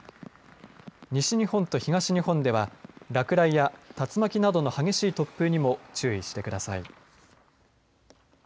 西日本と東日本では落雷や竜巻などの激しい突風にも注意してください。